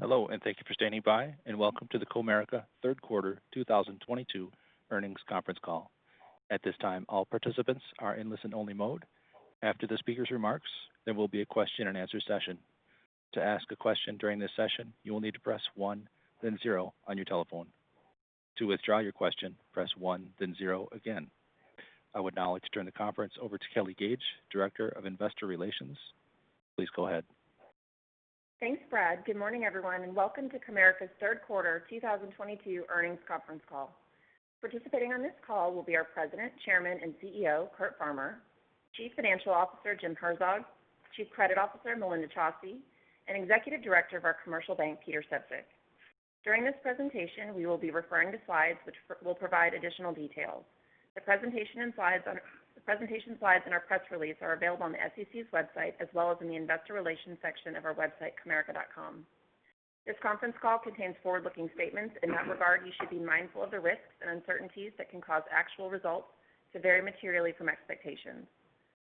Hello, and thank you for standing by, and welcome to the Comerica Third Quarter 2022 Earnings Conference Call. At this time, all participants are in listen-only mode. After the speaker's remarks, there will be a question-and-answer session. To ask a question during this session, you will need to press one, then zero on your telephone. To withdraw your question, press one, then zero again. I would now like to turn the conference over to Kelly Gage, Director of Investor Relations. Please go ahead. Thanks, Brad. Good morning, everyone, and welcome to Comerica's Third Quarter 2022 Earnings Conference Call. Participating on this call will be our President, Chairman, and CEO, Curt Farmer; Chief Financial Officer, Jim Herzog; Chief Credit Officer, Melinda Chausse; and Executive Director of our Commercial Bank, Peter Sefzik. During this presentation, we will be referring to slides which will provide additional details. The presentation slides and our press release are available on the SEC's website as well as in the investor relations section of our website, comerica.com. This conference call contains forward-looking statements. In that regard, you should be mindful of the risks and uncertainties that can cause actual results to vary materially from expectations.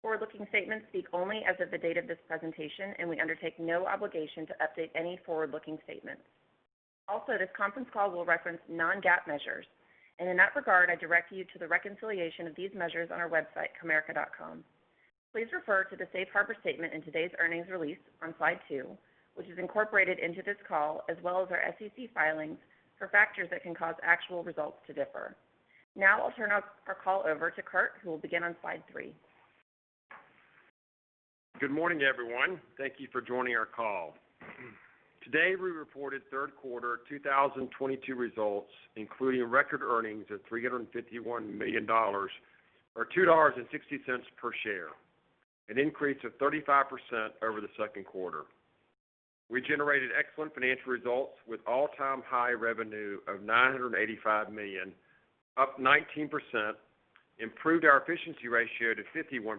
Forward-looking statements speak only as of the date of this presentation, and we undertake no obligation to update any forward-looking statements. Also, this conference call will reference non-GAAP measures. In that regard, I direct you to the reconciliation of these measures on our website, comerica.com. Please refer to the safe harbor statement in today's earnings release on slide 2, which is incorporated into this call, as well as our SEC filings for factors that can cause actual results to differ. Now I'll turn our call over to Curt, who will begin on slide 3. Good morning, everyone. Thank you for joining our call. Today, we reported third quarter 2022 results, including record earnings of $351 million or $2.60 per share, an increase of 35% over the second quarter. We generated excellent financial results with all-time high revenue of $985 million, up 19%, improved our efficiency ratio to 51%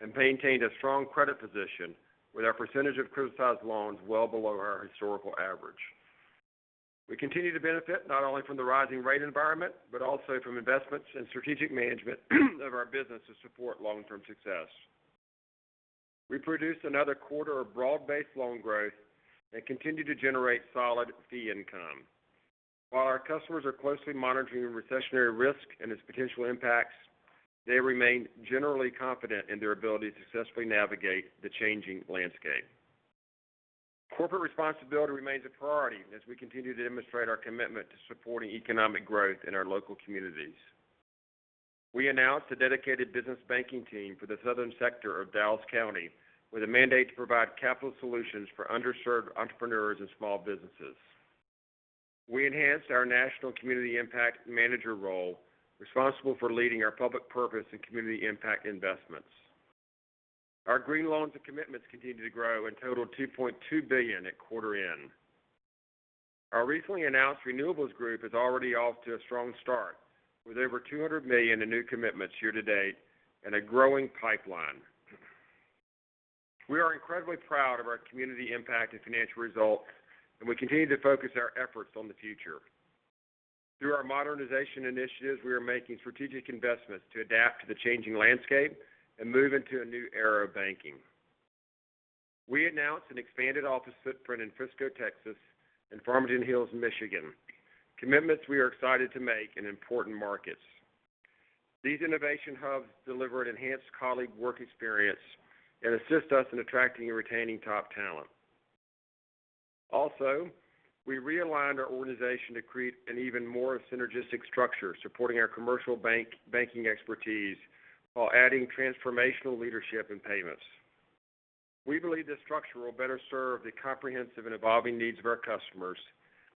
and maintained a strong credit position with our percentage of criticized loans well below our historical average. We continue to benefit not only from the rising rate environment, but also from investments in strategic management of our business to support long-term success. We produced another quarter of broad-based loan growth and continued to generate solid fee income. While our customers are closely monitoring recessionary risk and its potential impacts, they remain generally confident in their ability to successfully navigate the changing landscape. Corporate responsibility remains a priority as we continue to demonstrate our commitment to supporting economic growth in our local communities. We announced a dedicated business banking team for the southern sector of Dallas County with a mandate to provide capital solutions for underserved entrepreneurs and small businesses. We enhanced our national community impact manager role, responsible for leading our public purpose and community impact investments. Our green loans and commitments continue to grow and total $2.2 billion at quarter end. Our recently announced renewables group is already off to a strong start with over $200 million in new commitments year to date and a growing pipeline. We are incredibly proud of our community impact and financial results, and we continue to focus our efforts on the future. Through our modernization initiatives, we are making strategic investments to adapt to the changing landscape and move into a new era of banking. We announced an expanded office footprint in Frisco, Texas, and Farmington Hills, Michigan, commitments we are excited to make in important markets. These innovation hubs deliver an enhanced colleague work experience and assist us in attracting and retaining top talent. Also, we realigned our organization to create an even more synergistic structure supporting our commercial banking expertise while adding transformational leadership and payments. We believe this structure will better serve the comprehensive and evolving needs of our customers,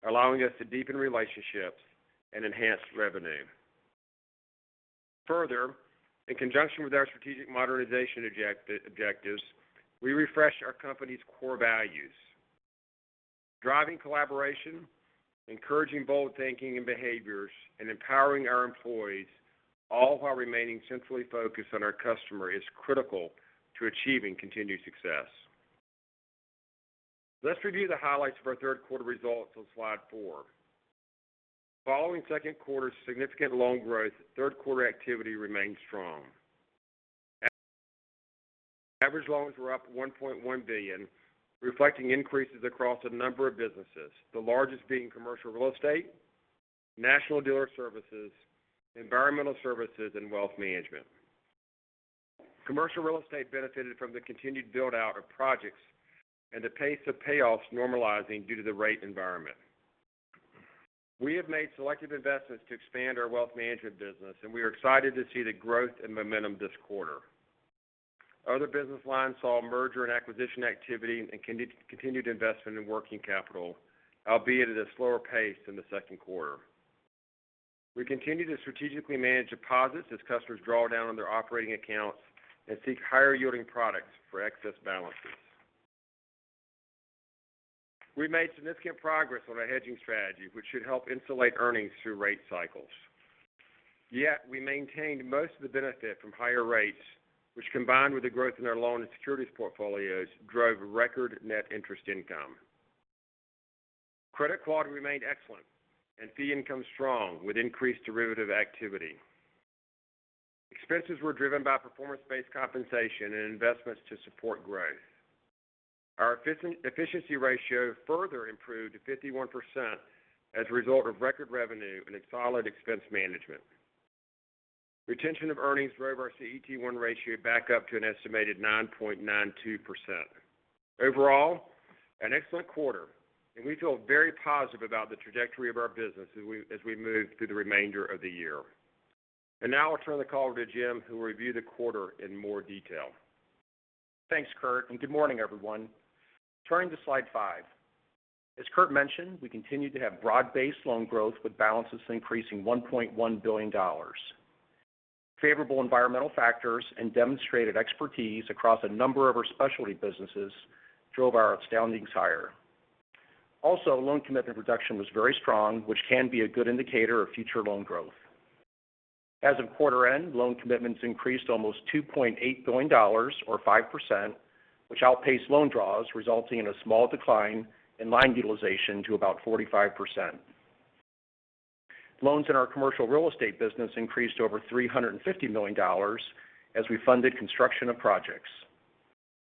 allowing us to deepen relationships and enhance revenue. Further, in conjunction with our strategic modernization objectives, we refreshed our company's core values. Driving collaboration, encouraging bold thinking and behaviors, and empowering our employees, all while remaining centrally focused on our customer, is critical to achieving continued success. Let's review the highlights of our third quarter results on slide 4. Following second quarter's significant loan growth, third quarter activity remained strong. Average loans were up $1.1 billion, reflecting increases across a number of businesses, the largest being Commercial Real Estate, National Dealer Services, Environmental Services, and Wealth Management. Commercial Real Estate benefited from the continued build-out of projects and the pace of payoffs normalizing due to the rate environment. We have made selective investments to expand our Wealth Management business, and we are excited to see the growth and momentum this quarter. Other business lines saw merger and acquisitions activity and continued investment in working capital, albeit at a slower pace than the second quarter. We continue to strategically manage deposits as customers draw down on their operating accounts and seek higher yielding products for excess balances. We made significant progress on our hedging strategy, which should help insulate earnings through rate cycles. Yet we maintained most of the benefit from higher rates, which, combined with the growth in our loan and securities portfolios, drove record net interest income. Credit quality remained excellent and fee income strong with increased derivative activity. Expenses were driven by performance-based compensation and investments to support growth. Our efficiency ratio further improved to 51% as a result of record revenue and a solid expense management. Retention of earnings drove our CET1 ratio back up to an estimated 9.92%. Overall, an excellent quarter, and we feel very positive about the trajectory of our business as we move through the remainder of the year. Now I'll turn the call over to Jim, who will review the quarter in more detail. Thanks, Curt, and good morning, everyone. Turning to slide 5. As Curt mentioned, we continued to have broad-based loan growth with balances increasing $1.1 billion. Favorable environmental factors and demonstrated expertise across a number of our specialty businesses drove our outstandings higher. Also, loan commitment production was very strong, which can be a good indicator of future loan growth. As of quarter end, loan commitments increased almost $2.8 billion or 5%, which outpaced loan draws, resulting in a small decline in line utilization to about 45%. Loans in our commercial real estate business increased over $350 million as we funded construction of projects.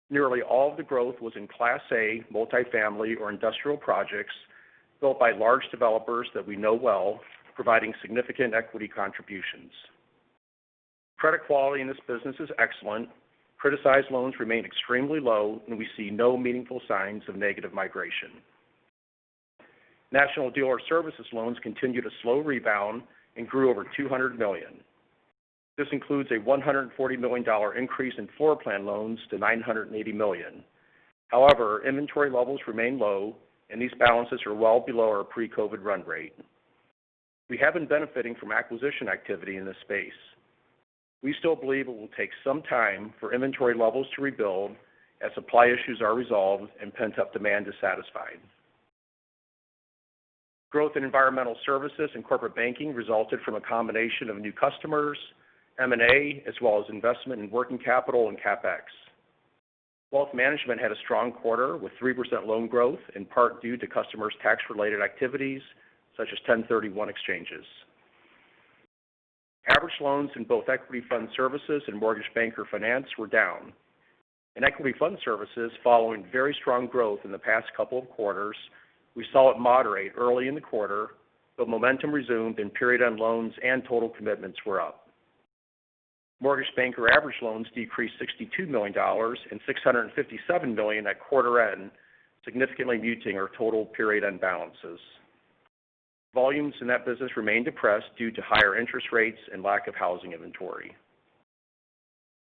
Nearly all of the growth was in Class A, multifamily or industrial projects built by large developers that we know well, providing significant equity contributions. Credit quality in this business is excellent. Criticized loans remain extremely low, and we see no meaningful signs of negative migration. National dealer services loans continued a slow rebound and grew over $200 million. This includes a $140 million increase in floor plan loans to $980 million. However, inventory levels remain low, and these balances are well below our pre-COVID run rate. We have been benefiting from acquisition activity in this space. We still believe it will take some time for inventory levels to rebuild as supply issues are resolved and pent-up demand is satisfied. Growth in environmental services and corporate banking resulted from a combination of new customers, M&A, as well as investment in working capital and CapEx. Wealth Management had a strong quarter with 3% loan growth, in part due to customers' tax-related activities such as 1031 exchanges. Average loans in both Equity Fund Services and Mortgage Banker Finance were down. In Equity Fund Services, following very strong growth in the past couple of quarters, we saw it moderate early in the quarter, but momentum resumed and period end loans and total commitments were up. Mortgage banker average loans decreased $62 million and $657 million at quarter end, significantly muting our total period end balances. Volumes in that business remain depressed due to higher interest rates and lack of housing inventory.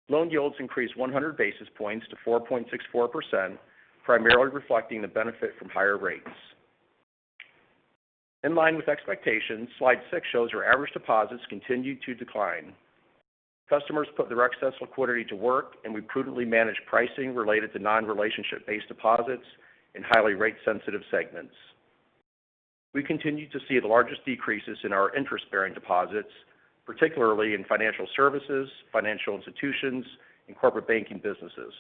Loan yields increased 100 basis points to 4.64%, primarily reflecting the benefit from higher rates. In line with expectations, slide 6 shows our average deposits continued to decline. Customers put their excess liquidity to work, and we prudently managed pricing related to non-relationship based deposits in highly rate sensitive segments. We continued to see the largest decreases in our interest-bearing deposits, particularly in financial services, financial institutions, and corporate banking businesses.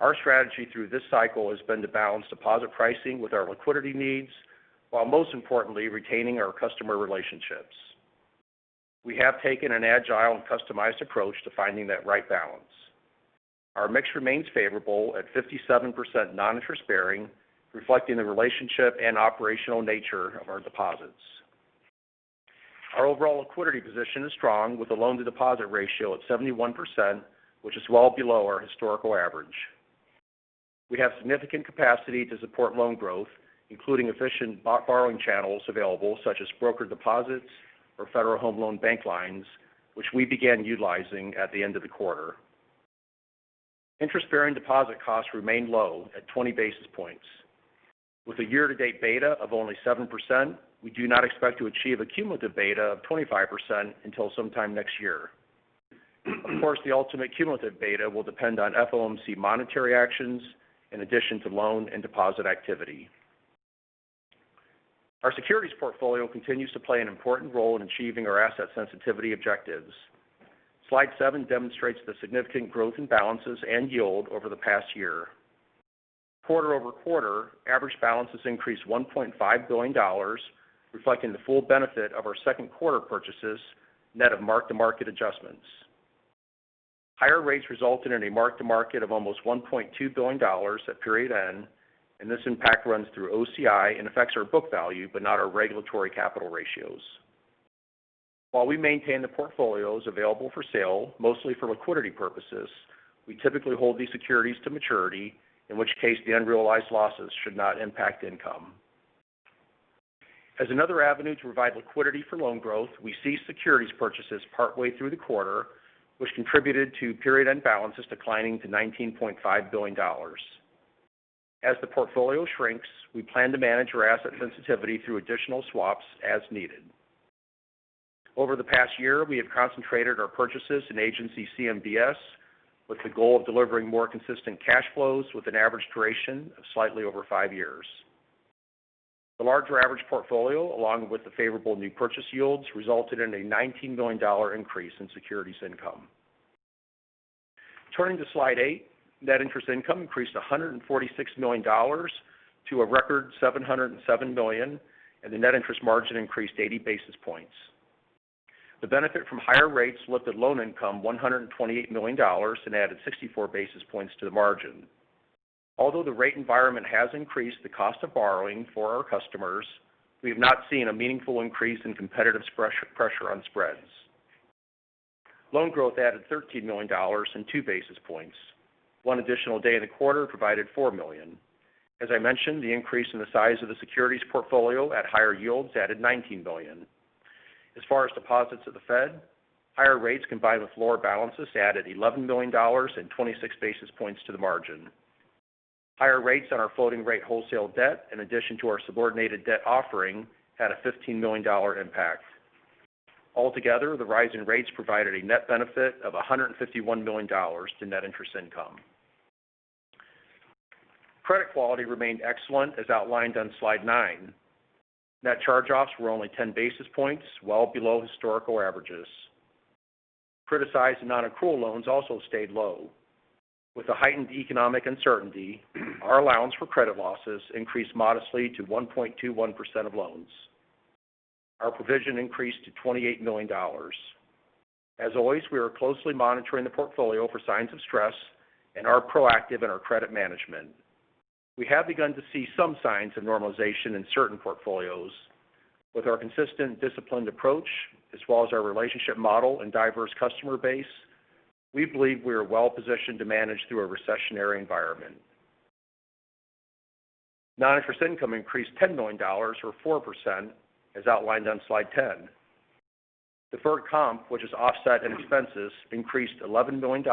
Our strategy through this cycle has been to balance deposit pricing with our liquidity needs, while most importantly retaining our customer relationships. We have taken an agile and customized approach to finding that right balance. Our mix remains favorable at 57% non-interest bearing, reflecting the relationship and operational nature of our deposits. Our overall liquidity position is strong with the loan-to-deposit ratio at 71%, which is well below our historical average. We have significant capacity to support loan growth, including efficient borrowing channels available such as broker deposits or Federal Home Loan Bank lines, which we began utilizing at the end of the quarter. Interest-bearing deposit costs remain low at 20 basis points. With a year-to-date beta of only 7%, we do not expect to achieve a cumulative beta of 25% until sometime next year. Of course, the ultimate cumulative beta will depend on FOMC monetary actions in addition to loan and deposit activity. Our securities portfolio continues to play an important role in achieving our asset sensitivity objectives. Slide 7 demonstrates the significant growth in balances and yield over the past year. Quarter over quarter, average balances increased $1.5 billion, reflecting the full benefit of our second quarter purchases net of mark-to-market adjustments. Higher rates resulted in a mark-to-market of almost $1.2 billion at period end, and this impact runs through OCI and affects our book value, but not our regulatory capital ratios. While we maintain the portfolios available for sale mostly for liquidity purposes, we typically hold these securities to maturity, in which case the unrealized losses should not impact income. As another avenue to provide liquidity for loan growth, we ceased securities purchases partway through the quarter, which contributed to period end balances declining to $19.5 billion. As the portfolio shrinks, we plan to manage our asset sensitivity through additional swaps as needed. Over the past year, we have concentrated our purchases in Agency CMBS with the goal of delivering more consistent cash flows with an average duration of slightly over five years. The larger average portfolio, along with the favorable new purchase yields, resulted in a $19 million increase in securities income. Turning to Slide 8, net interest income increased $146 million to a record $707 million, and the net interest margin increased 80 basis points. The benefit from higher rates lifted loan income $128 million and added 64 basis points to the margin. Although the rate environment has increased the cost of borrowing for our customers, we have not seen a meaningful increase in competitive spread pressure on spreads. Loan growth added $13 million and 2 basis points. One additional day in the quarter provided $4 million. As I mentioned, the increase in the size of the securities portfolio at higher yields added $19 million. As far as deposits of the Fed, higher rates combined with lower balances added $11 million and 26 basis points to the margin. Higher rates on our floating rate wholesale debt in addition to our subordinated debt offering had a $15 million impact. Altogether, the rise in rates provided a net benefit of $151 million to net interest income. Credit quality remained excellent as outlined on slide 9. Net charge-offs were only 10 basis points, well below historical averages. Criticized and non-accrual loans also stayed low. With a heightened economic uncertainty, our allowance for credit losses increased modestly to 1.21% of loans. Our provision increased to $28 million. As always, we are closely monitoring the portfolio for signs of stress and are proactive in our credit management. We have begun to see some signs of normalization in certain portfolios. With our consistent disciplined approach, as well as our relationship model and diverse customer base, we believe we are well positioned to manage through a recessionary environment. Non-interest income increased $10 million or 4% as outlined on slide 10. Deferred comp, which is offset in expenses, increased $11 million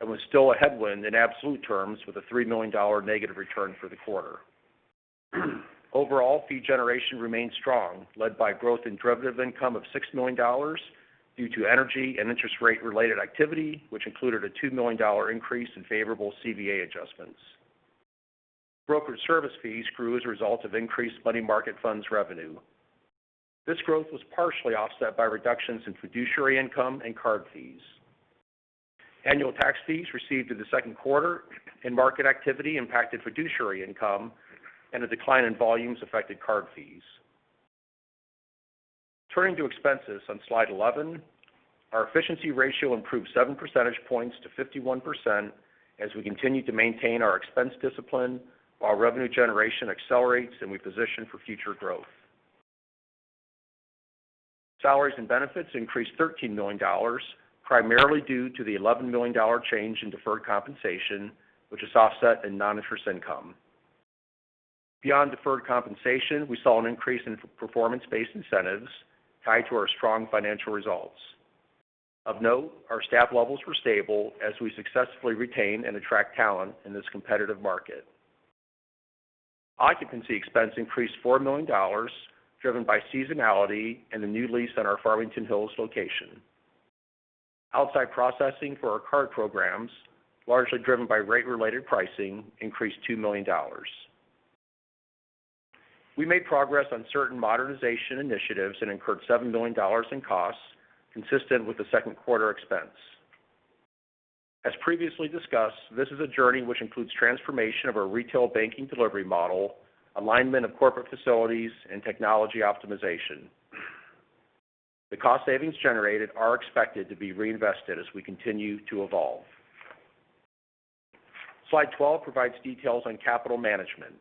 and was still a headwind in absolute terms with a $3 million negative return for the quarter. Overall, fee generation remained strong, led by growth in derivative income of $6 million due to energy and interest rate related activity, which included a $2 million increase in favorable CVA adjustments. Brokerage service fees grew as a result of increased money market funds revenue. This growth was partially offset by reductions in fiduciary income and card fees. Annual tax fees received in the second quarter and market activity impacted fiduciary income and a decline in volumes affected card fees. Turning to expenses on slide 11, our efficiency ratio improved 7 percentage points to 51% as we continue to maintain our expense discipline while revenue generation accelerates and we position for future growth. Salaries and benefits increased $13 million, primarily due to the $11 million change in deferred compensation, which is offset in non-interest income. Beyond deferred compensation, we saw an increase in performance-based incentives tied to our strong financial results. Of note, our staff levels were stable as we successfully retain and attract talent in this competitive market. Occupancy expense increased $4 million, driven by seasonality and the new lease on our Farmington Hills location. Outside processing for our card programs, largely driven by rate related pricing, increased $2 million. We made progress on certain modernization initiatives and incurred $7 million in costs consistent with the second quarter expense. As previously discussed, this is a journey which includes transformation of our retail banking delivery model, alignment of corporate facilities and technology optimization. The cost savings generated are expected to be reinvested as we continue to evolve. Slide 12 provides details on capital management.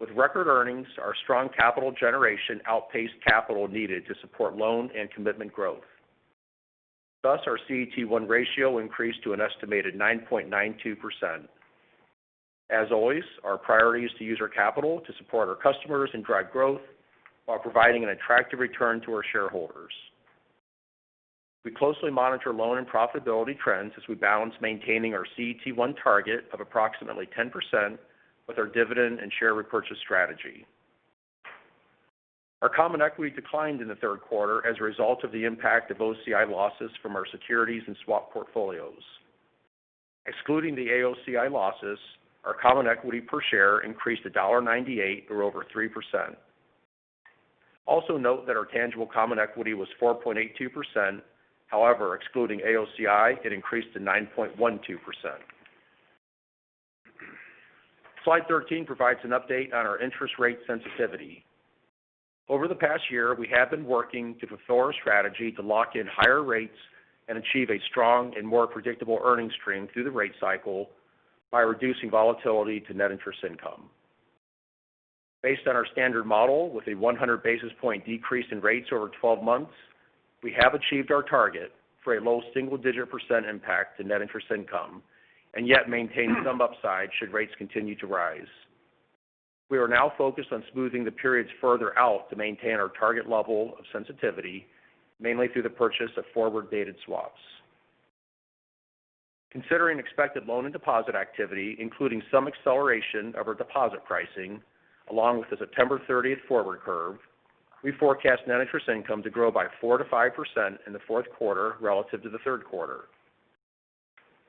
With record earnings, our strong capital generation outpaced capital needed to support loan and commitment growth. Thus, our CET1 ratio increased to an estimated 9.92%. As always, our priority is to use our capital to support our customers and drive growth while providing an attractive return to our shareholders. We closely monitor loan and profitability trends as we balance maintaining our CET1 target of approximately 10% with our dividend and share repurchase strategy. Our common equity declined in the third quarter as a result of the impact of OCI losses from our securities and swap portfolios. Excluding the AOCI losses, our common equity per share increased to $98 or over 3%. Also note that our tangible common equity was 4.82%. However, excluding AOCI, it increased to 9.12%. Slide 13 provides an update on our interest rate sensitivity. Over the past year, we have been working to perform a strategy to lock in higher rates and achieve a strong and more predictable earning stream through the rate cycle by reducing volatility to net interest income. Based on our standard model with a 100 basis point decrease in rates over 12 months, we have achieved our target for a low-single-digit percent impact to net interest income and yet maintain some upside should rates continue to rise. We are now focused on smoothing the periods further out to maintain our target level of sensitivity, mainly through the purchase of forward-dated swaps. Considering expected loan and deposit activity, including some acceleration of our deposit pricing along with the September 30th forward curve, we forecast net interest income to grow by 4%-5% in the fourth quarter relative to the third quarter.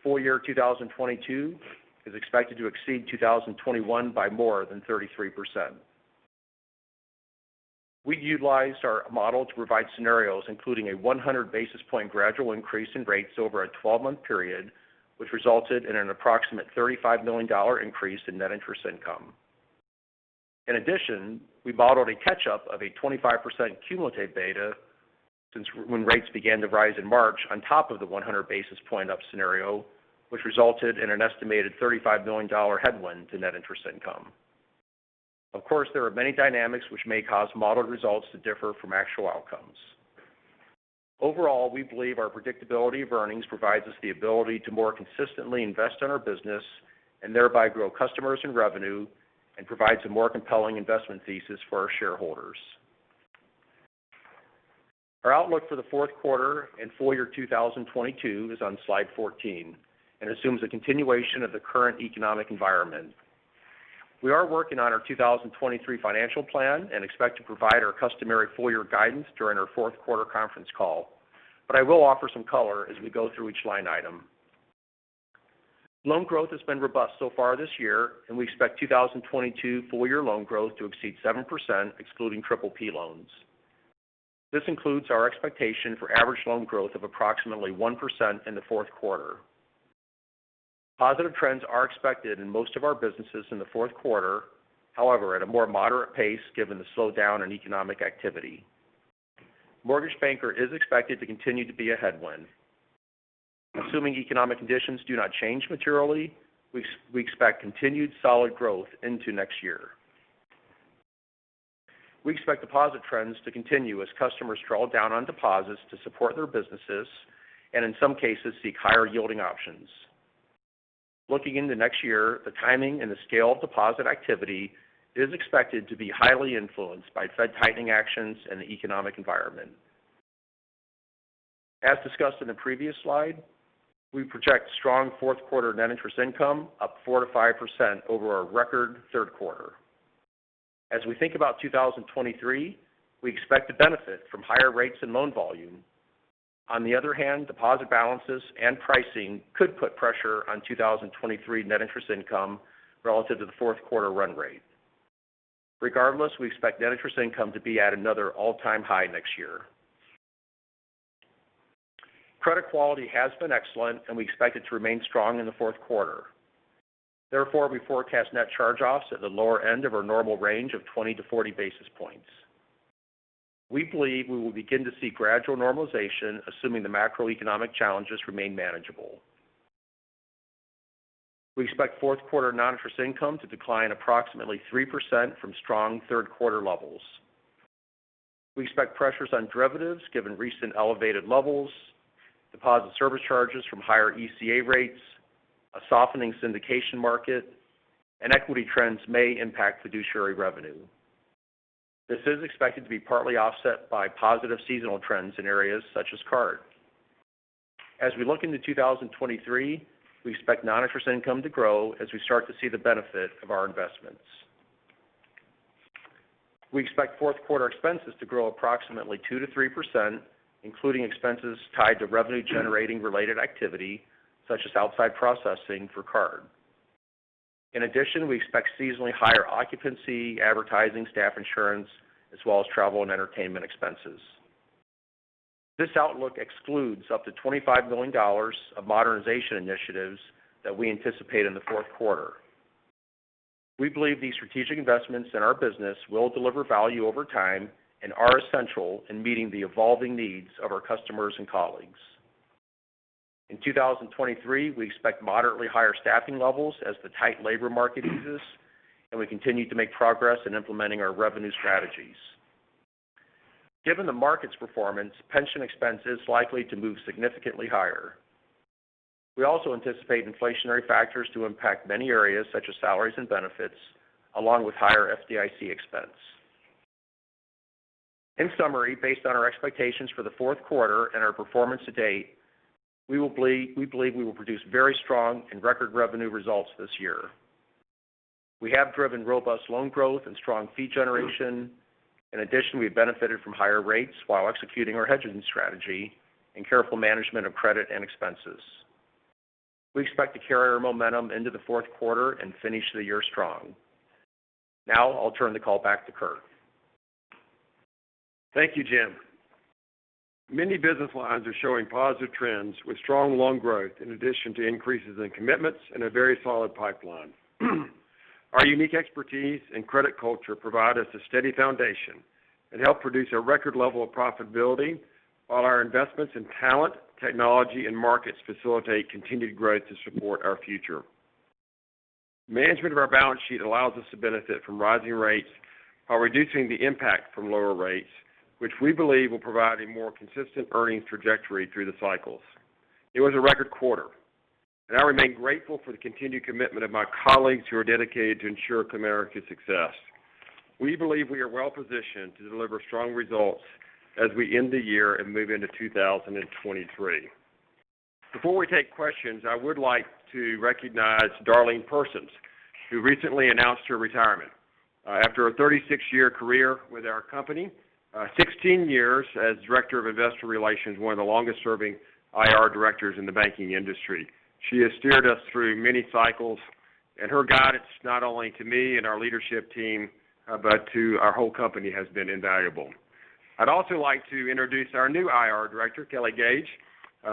Full-year 2022 is expected to exceed 2021 by more than 33%. We utilized our model to provide scenarios including a 100 basis points gradual increase in rates over a 12-month period, which resulted in an approximate $35 million increase in net interest income. In addition, we modeled a catch-up of a 25% cumulative beta since when rates began to rise in March on top of the 100 basis points up scenario, which resulted in an estimated $35 million headwind to net interest income. Of course, there are many dynamics which may cause modeled results to differ from actual outcomes. Overall, we believe our predictability of earnings provides us the ability to more consistently invest in our business and thereby grow customers and revenue and provides a more compelling investment thesis for our shareholders. Our outlook for the fourth quarter and full-year 2022 is on slide 14 and assumes the continuation of the current economic environment. We are working on our 2023 financial plan and expect to provide our customary full-year guidance during our fourth quarter conference call. I will offer some color as we go through each line item. Loan growth has been robust so far this year, and we expect 2022 full-year loan growth to exceed 7% excluding PPP loans. This includes our expectation for average loan growth of approximately 1% in the fourth quarter. Positive trends are expected in most of our businesses in the fourth quarter. However, at a more moderate pace, given the slowdown in economic activity. Mortgage banking is expected to continue to be a headwind. Assuming economic conditions do not change materially, we expect continued solid growth into next year. We expect deposit trends to continue as customers draw down on deposits to support their businesses and in some cases seek higher yielding options. Looking into next year, the timing and the scale of deposit activity is expected to be highly influenced by Fed tightening actions and the economic environment. As discussed in the previous slide, we project strong fourth quarter net interest income up 4%-5% over our record third quarter. As we think about 2023, we expect to benefit from higher rates and loan volume. On the other hand, deposit balances and pricing could put pressure on 2023 net interest income relative to the fourth quarter run rate. Regardless, we expect net interest income to be at another all-time high next year. Credit quality has been excellent, and we expect it to remain strong in the fourth quarter. Therefore, we forecast net charge-offs at the lower end of our normal range of 20-40 basis points. We believe we will begin to see gradual normalization, assuming the macroeconomic challenges remain manageable. We expect fourth quarter non-interest income to decline approximately 3% from strong third-quarter levels. We expect pressures on derivatives given recent elevated levels, deposit service charges from higher ECA rates, a softening syndication market, and equity trends may impact fiduciary revenue. This is expected to be partly offset by positive seasonal trends in areas such as card. As we look into 2023, we expect non-interest income to grow as we start to see the benefit of our investments. We expect fourth quarter expenses to grow approximately 2%-3%, including expenses tied to revenue-generating related activity such as outside processing for card. In addition, we expect seasonally higher occupancy, advertising, staff insurance, as well as travel and entertainment expenses. This outlook excludes up to $25 million of modernization initiatives that we anticipate in the fourth quarter. We believe these strategic investments in our business will deliver value over time and are essential in meeting the evolving needs of our customers and colleagues. In 2023, we expect moderately higher staffing levels as the tight labor market eases, and we continue to make progress in implementing our revenue strategies. Given the market's performance, pension expense is likely to move significantly higher. We also anticipate inflationary factors to impact many areas such as salaries and benefits, along with higher FDIC expense. In summary, based on our expectations for the fourth quarter and our performance to date, we believe we will produce very strong and record revenue results this year. We have driven robust loan growth and strong fee generation. In addition, we've benefited from higher rates while executing our hedging strategy and careful management of credit and expenses. We expect to carry our momentum into the fourth quarter and finish the year strong. Now I'll turn the call back to Curt. Thank you, Jim. Many business lines are showing positive trends with strong loan growth in addition to increases in commitments and a very solid pipeline. Our unique expertise and credit culture provide us a steady foundation and help produce a record level of profitability. While our investments in talent, technology, and markets facilitate continued growth to support our future. Management of our balance sheet allows us to benefit from rising rates while reducing the impact from lower rates, which we believe will provide a more consistent earnings trajectory through the cycles. It was a record quarter, and I remain grateful for the continued commitment of my colleagues who are dedicated to ensure Comerica's success. We believe we are well-positioned to deliver strong results as we end the year and move into 2023. Before we take questions, I would like to recognize Darlene Persons, who recently announced her retirement. After a 36-year career with our company, 16 years as Director of Investor Relations, one of the longest-serving IR directors in the banking industry. She has steered us through many cycles. Her guidance, not only to me and our leadership team, but to our whole company, has been invaluable. I'd also like to introduce our new IR director, Kelly Gage,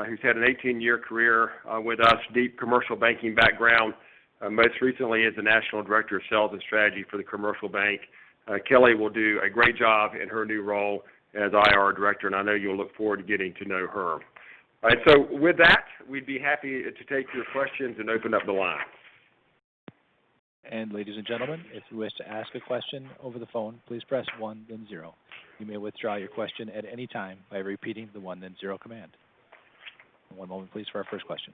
who's had an 18-year career with us, deep commercial banking background, most recently as the National Director of Sales and Strategy for the Commercial Bank. Kelly will do a great job in her new role as IR director, and I know you'll look forward to getting to know her. All right. With that, we'd be happy to take your questions and open up the line. Ladies and gentlemen, if you wish to ask a question over the phone, please press one then zero. You may withdraw your question at any time by repeating the one then zero command. One moment please for our first question.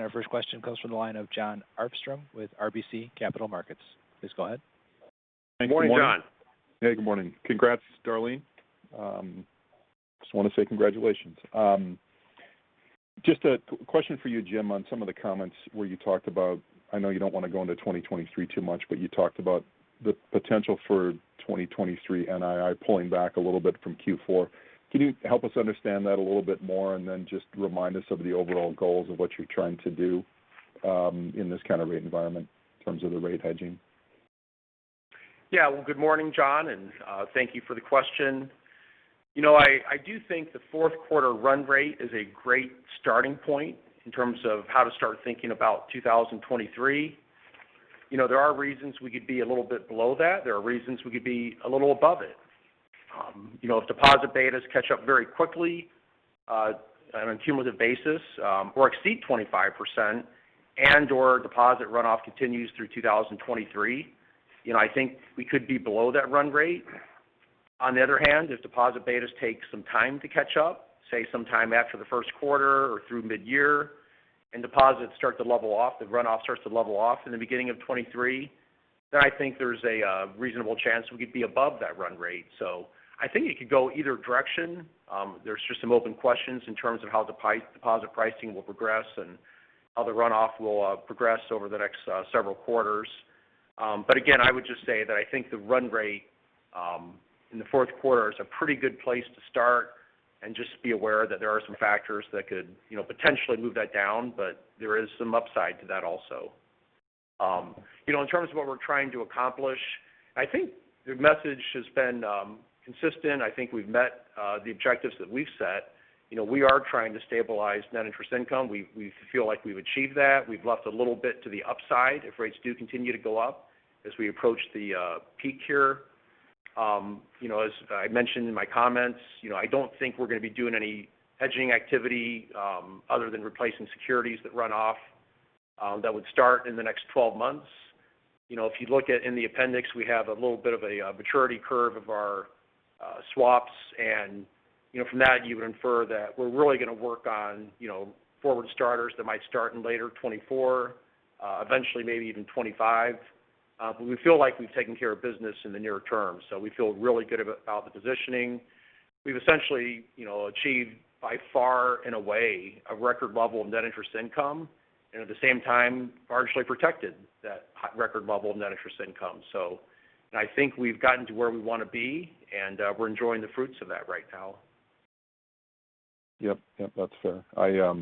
Our first question comes from the line of Jon Arfstrom with RBC Capital Markets. Please go ahead. Good morning, Jon. Hey, good morning. Congrats, Darlene. Just want to say congratulations. Just a question for you, Jim, on some of the comments where you talked about. I know you don't want to go into 2023 too much, but you talked about the potential for 2023 NII pulling back a little bit from Q4. Can you help us understand that a little bit more and then just remind us of the overall goals of what you're trying to do, in this kind of rate environment in terms of the rate hedging? Yeah. Well, good morning, Jon, and thank you for the question. You know, I do think the fourth quarter run rate is a great starting point in terms of how to start thinking about 2023. You know, there are reasons we could be a little bit below that. There are reasons we could be a little above it. You know, if deposit betas catch up very quickly on a cumulative basis, or exceed 25% and/or deposit runoff continues through 2023, you know, I think we could be below that run rate. On the other hand, if deposit betas take some time to catch up, say sometime after the first quarter or through midyear, and deposits start to level off, the runoff starts to level off in the beginning of 2023, then I think there's a reasonable chance we could be above that run rate. I think it could go either direction. There's just some open questions in terms of how deposit pricing will progress and how the runoff will progress over the next several quarters. Again, I would just say that I think the run rate in the fourth quarter is a pretty good place to start and just be aware that there are some factors that could, you know, potentially move that down, but there is some upside to that also. You know, in terms of what we're trying to accomplish, I think the message has been consistent. I think we've met the objectives that we've set. You know, we are trying to stabilize net interest income. We feel like we've achieved that. We've left a little bit to the upside if rates do continue to go up as we approach the peak here. You know, as I mentioned in my comments, you know, I don't think we're gonna be doing any hedging activity other than replacing securities that run off that would start in the next 12 months. You know, if you look at in the appendix, we have a little bit of a maturity curve of our swaps and, you know, from that, you would infer that we're really gonna work on, you know, forward-starting that might start in later 2024, eventually maybe even 2025. But we feel like we've taken care of business in the near term, so we feel really good about the positioning. We've essentially, you know, achieved by far and away a record level of net interest income and at the same time, largely protected that record level of net interest income. I think we've gotten to where we want to be, and we're enjoying the fruits of that right now. Yep. Yep, that's fair. I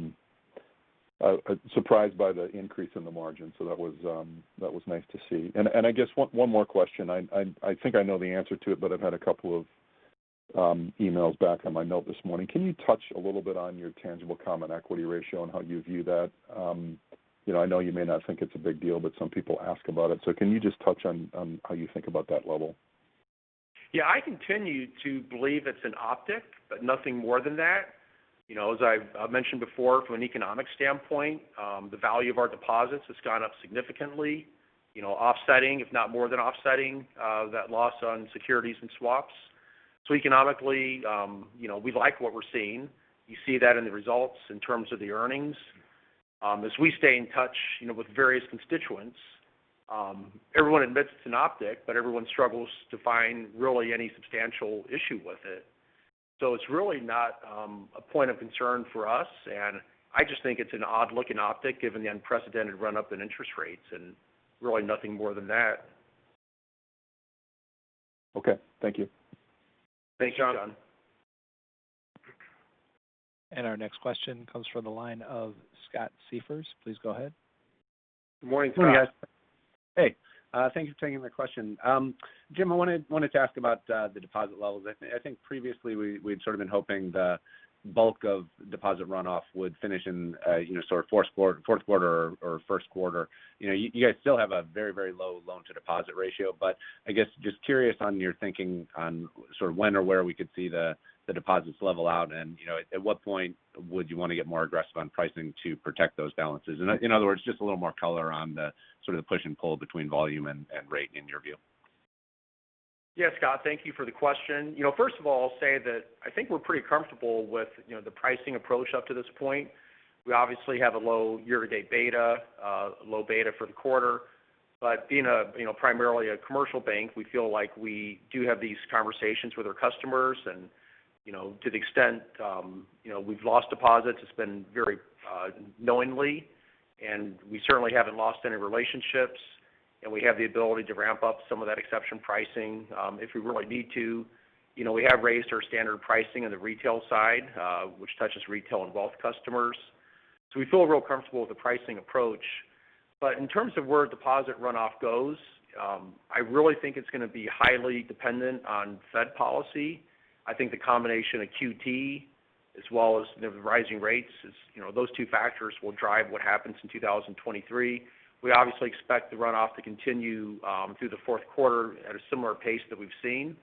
surprised by the increase in the margin, so that was nice to see. I guess one more question. I think I know the answer to it, but I've had a couple of emails back on my note this morning. Can you touch a little bit on your tangible common equity ratio and how you view that? You know, I know you may not think it's a big deal, but some people ask about it. Can you just touch on how you think about that level? Yeah. I continue to believe it's an optic, but nothing more than that. You know, as I've mentioned before from an economic standpoint, the value of our deposits has gone up significantly, you know, offsetting, if not more than offsetting, that loss on securities and swaps. Economically, you know, we like what we're seeing. You see that in the results in terms of the earnings. As we stay in touch, you know, with various constituents, everyone admits it's an optic, but everyone struggles to find really any substantial issue with it. It's really not a point of concern for us. I just think it's an odd-looking optic given the unprecedented run-up in interest rates and really nothing more than that. Okay. Thank you. Thanks, Jon. Our next question comes from the line of Scott Siefers. Please go ahead. Good morning, Scott. Hey, guys. Hey. Thank you for taking my question. Jim, I wanted to ask about the deposit levels. I think previously we'd sort of been hoping the bulk of deposit runoff would finish in, you know, sort of fourth quarter or first quarter. You know, you guys still have a very low loan to deposit ratio. I guess just curious on your thinking on sort of when or where we could see the deposits level out and, you know, at what point would you want to get more aggressive on pricing to protect those balances? In other words, just a little more color on the sort of push and pull between volume and rate in your view. Yeah, Scott, thank you for the question. You know, first of all, I'll say that I think we're pretty comfortable with, you know, the pricing approach up to this point. We obviously have a low year-to-date beta, low beta for the quarter. Being a, you know, primarily a commercial bank, we feel like we do have these conversations with our customers. You know, to the extent, you know, we've lost deposits, it's been very knowingly, and we certainly haven't lost any relationships. We have the ability to ramp up some of that exception pricing, if we really need to. You know, we have raised our standard pricing on the retail side, which touches retail and wealth customers. We feel real comfortable with the pricing approach. In terms of where deposit runoff goes, I really think it's gonna be highly dependent on Fed policy. I think the combination of QT as well as the rising rates is, you know, those two factors will drive what happens in 2023. We obviously expect the runoff to continue through the fourth quarter at a similar pace that we've seen.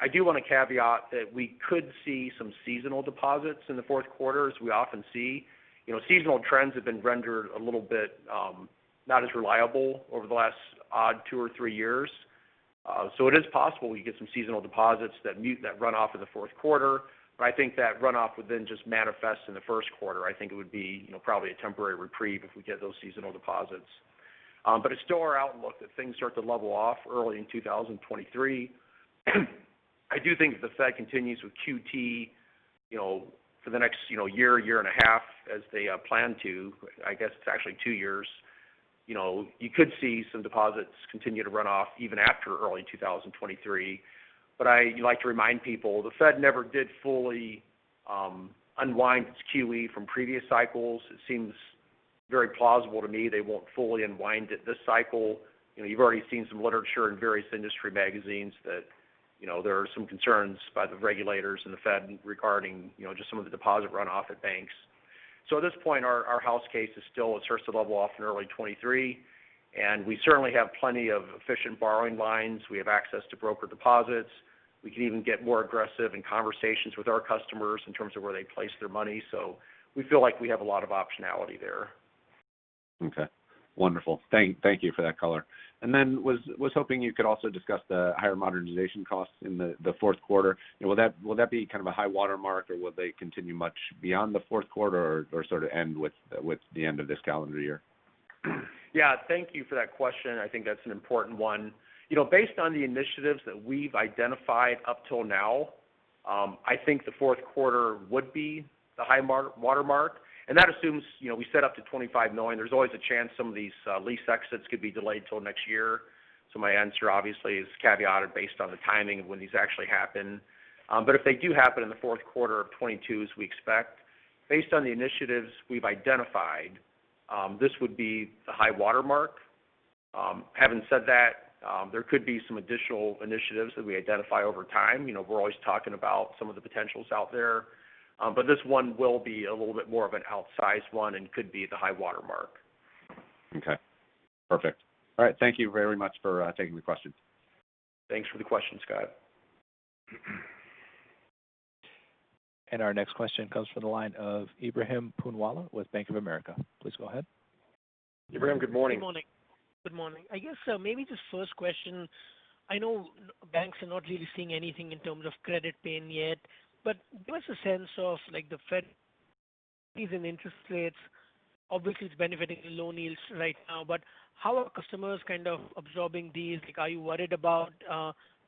I do want to caveat that we could see some seasonal deposits in the fourth quarter, as we often see. You know, seasonal trends have been rendered a little bit not as reliable over the last odd two or three years. So it is possible we get some seasonal deposits that mute that runoff in the fourth quarter. I think that runoff would then just manifest in the first quarter. I think it would be, you know, probably a temporary reprieve if we get those seasonal deposits. It's still our outlook that things start to level off early in 2023. I do think if the Fed continues with QT, you know, for the next, you know, year and a half as they plan to, I guess it's actually 2 years, you know, you could see some deposits continue to run off even after early 2023. I like to remind people, the Fed never did fully unwind its QE from previous cycles. It seems very plausible to me they won't fully unwind it this cycle. You know, you've already seen some literature in various industry magazines that, you know, there are some concerns by the regulators and the Fed regarding, you know, just some of the deposit runoff at banks. At this point, our house case is still it starts to level off in early 2023. We certainly have plenty of efficient borrowing lines. We have access to broker deposits. We can even get more aggressive in conversations with our customers in terms of where they place their money. We feel like we have a lot of optionality there. Okay, wonderful. Thank you for that color. Was hoping you could also discuss the higher modernization costs in the fourth quarter. Will that be kind of a high watermark, or will they continue much beyond the fourth quarter or sort of end with the end of this calendar year? Yeah. Thank you for that question. I think that's an important one. You know, based on the initiatives that we've identified up till now, I think the fourth quarter would be the high water mark. That assumes, you know, we set up to $25 million. There's always a chance some of these lease exits could be delayed till next year. My answer obviously is caveated based on the timing of when these actually happen. If they do happen in the fourth quarter of 2022 as we expect, based on the initiatives we've identified, this would be the high water mark. Having said that, there could be some additional initiatives that we identify over time. You know, we're always talking about some of the potentials out there. This one will be a little bit more of an outsized one and could be the high water mark. Okay. Perfect. All right, thank you very much for taking the questions. Thanks for the question, Scott. Our next question comes from the line of Ebrahim Poonawala with Bank of America. Please go ahead. Ebrahim, good morning. Good morning. I guess, maybe just first question. I know banks are not really seeing anything in terms of credit pain yet, but give us a sense of like the Fed increase in interest rates. Obviously, it's benefiting loan yields right now, but how are customers kind of absorbing these? Like, are you worried about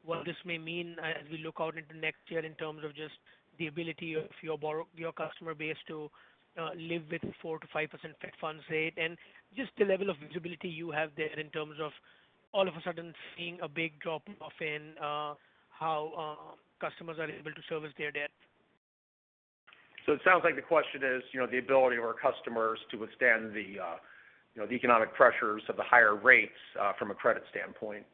what this may mean as we look out into next year in terms of just the ability of your customer base to live with 4%-5% Fed funds rate? Just the level of visibility you have there in terms of all of a sudden seeing a big drop-off in how customers are able to service their debt. It sounds like the question is, you know, the ability of our customers to withstand the, you know, the economic pressures of the higher rates, from a credit standpoint.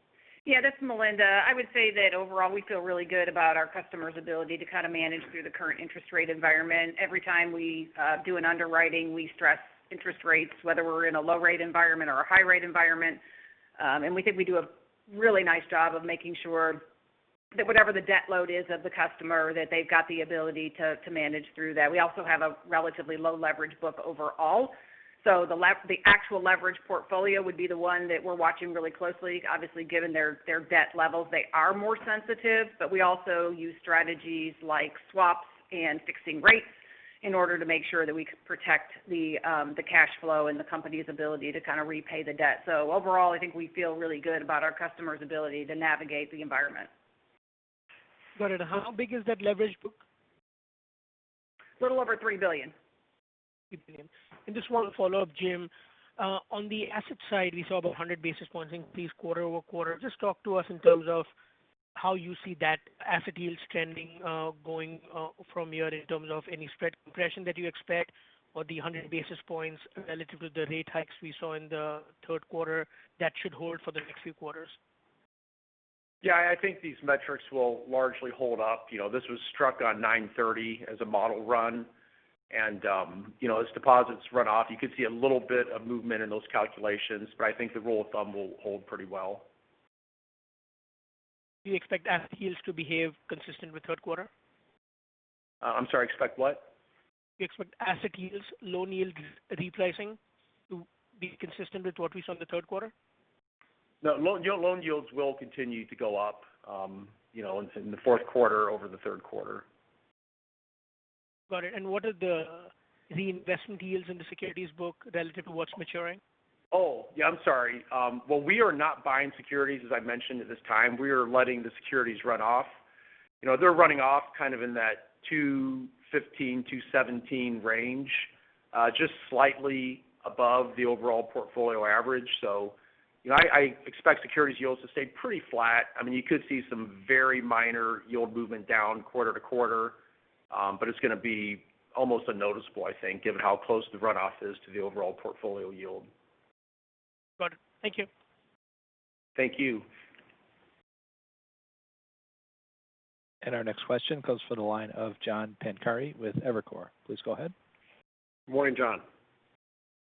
Yeah. This is Melinda. I would say that overall, we feel really good about our customers' ability to kind of manage through the current interest rate environment. Every time we do an underwriting, we stress interest rates, whether we're in a low-rate environment or a high-rate environment. We think we do a really nice job of making sure that whatever the debt load is of the customer, that they've got the ability to manage through that. We also have a relatively low leverage book overall. So the actual leverage portfolio would be the one that we're watching really closely. Obviously, given their debt levels, they are more sensitive. We also use strategies like swaps and fixing rates in order to make sure that we can protect the cash flow and the company's ability to kind of repay the debt. Overall, I think we feel really good about our customers' ability to navigate the environment. Got it. How big is that leverage book? A little over $3 billion. $3 billion. Just one follow-up, Jim. On the asset side, we saw about 100 basis points increase quarter-over-quarter. Just talk to us in terms of how you see that asset yields trending, going from here in terms of any spread compression that you expect or a hundred basis points relative to the rate hikes we saw in the third quarter that should hold for the next few quarters. Yeah. I think these metrics will largely hold up. You know, this was struck on 9/30 as a model run. You know, as deposits run off, you can see a little bit of movement in those calculations, but I think the rule of thumb will hold pretty well. Do you expect asset yields to behave consistent with third quarter? I'm sorry, expect what? Do you expect asset yields, loan yield repricing to be consistent with what we saw in the third quarter? No. Loan yields will continue to go up, you know, in the fourth quarter over the third quarter. Got it. What are the investment yields in the securities book relative to what's maturing? Well, we are not buying securities, as I mentioned at this time. We are letting the securities run off. You know, they're running off kind of in that 2.15%-2.17% range, just slightly above the overall portfolio average. You know, I expect securities yields to stay pretty flat. I mean, you could see some very minor yield movement down quarter to quarter. It's gonna be almost unnoticeable, I think, given how close the runoff is to the overall portfolio yield. Got it. Thank you. Thank you. Our next question comes from the line of John Pancari with Evercore. Please go ahead. Morning, John.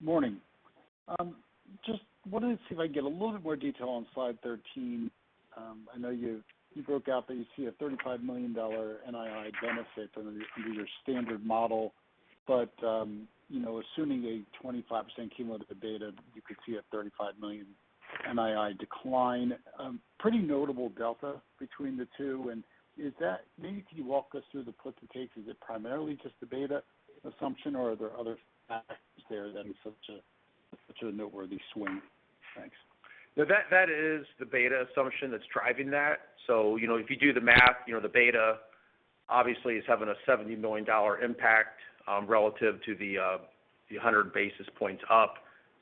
Morning. Just wanted to see if I could get a little bit more detail on slide 13. I know you broke out that you see a $35 million NII benefit under your standard model, but you know, assuming a 25% cumulative beta, you could see a $35 million NII decline. Pretty notable delta between the two. Maybe can you walk us through the puts and takes. Is it primarily just the beta assumption or are there other factors there that is such a noteworthy swing? Thanks. No, that is the beta assumption that's driving that. You know, if you do the math, you know, the beta obviously is having a $70 million impact, relative to the 100 basis points up.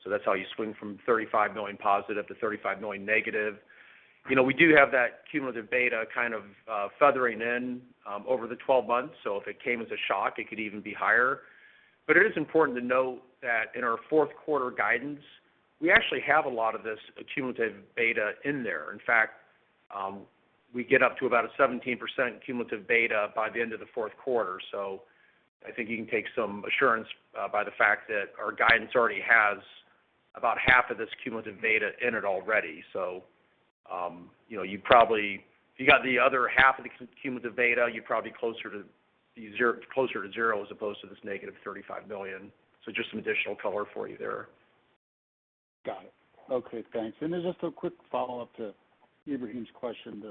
That's how you swing from $35 million positive to $35 million negative. You know, we do have that cumulative beta kind of feathering in over the 12 months. If it came as a shock, it could even be higher. It is important to note that in our fourth quarter guidance, we actually have a lot of this cumulative beta in there. In fact, we get up to about a 17% cumulative beta by the end of the fourth quarter. I think you can take some assurance by the fact that our guidance already has about half of this cumulative beta in it already. You know, you probably, if you got the other half of the cumulative beta, you're probably closer to zero, closer to zero as opposed to this -$35 million. Just some additional color for you there. Got it. Okay, thanks. Then just a quick follow-up to Ebrahim's question.